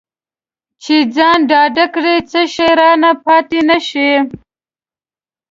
چې ځان ډاډه کړي څه شی رانه پاتې نه شي.